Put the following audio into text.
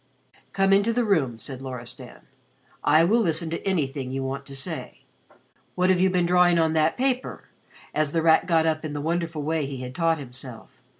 "Come into the room," said Loristan. "I will listen to anything you want to say. What have you been drawing on that paper?" as The Rat got up in the wonderful way he had taught himself.